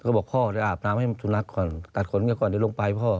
ก็บอกพ่อเดี๋ยวอาบน้ำให้สุนัขก่อนตัดขนกันก่อนเดี๋ยวลงไปพ่อ